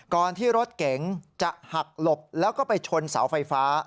ก่อนที่รถเก๋งจะหักหลบแล้วก็ไปชนเสาไฟฟ้า